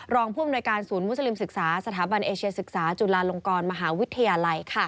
รองผู้อำนวยการศูนย์มุสลิมศึกษาสถาบันเอเชียศึกษาจุฬาลงกรมหาวิทยาลัย